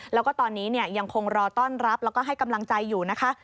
แล้วก็ตอนนี้ยังคงรอต้อนรับแล้วก็ให้กำลังใจอยู่นะคะ